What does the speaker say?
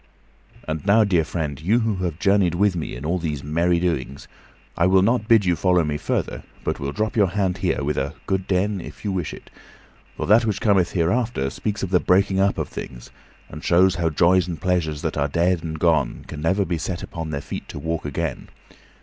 And now, dear friend, you who have journeyed with me in all these merry doings, I will not bid you follow me further, but will drop your hand here with a "good den," if you wish it; for that which cometh hereafter speaks of the breaking up of things, and shows how joys and pleasures that are dead and gone can never be set upon their feet to walk again.